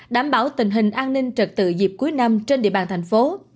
đảm bảo tình hình an ninh trật tự dịp cuối năm trên địa bàn thành phố